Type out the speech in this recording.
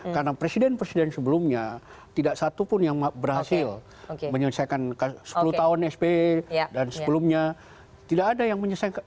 karena presiden presiden sebelumnya tidak satu pun yang berhasil menyelesaikan sepuluh tahun sp dan sebelumnya tidak ada yang menyesuaikan